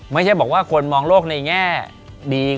ไม่ใช่บอกว่าคนมองโลกในแง่ดี